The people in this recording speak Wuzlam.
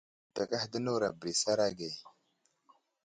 Abekehe di newuro a bəra isaray ge .